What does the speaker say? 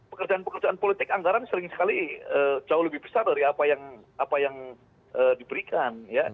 pekerjaan pekerjaan politik anggaran sering sekali jauh lebih besar dari apa yang diberikan